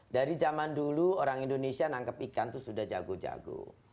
dari zaman dulu orang indonesia nangkep ikan itu sudah jago jago